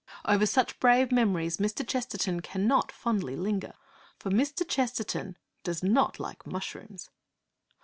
Over such brave memories Mr. Chesterton cannot fondly linger. For Mr. Chesterton does not like mushrooms.